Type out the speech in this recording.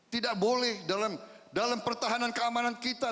tidak boleh dalam pertahanan keamanan kita